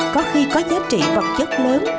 có khi có giá trị vật chất lớn